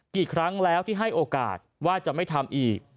กี่ครั้งแล้วที่ให้โอกาสว่าจะไม่ทำอีก